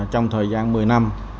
trong thời gian một mươi năm